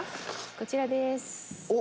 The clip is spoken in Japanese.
こちらです」